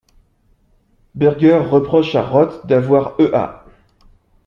Burger reproche à Roth d’avoir e.a.